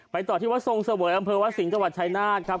ไปต่อที่วัดทรงเสวยอำเภอวัดสิงห์จชัยนาฬครับ